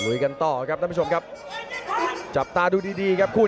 กันต่อครับท่านผู้ชมครับจับตาดูดีดีครับคู่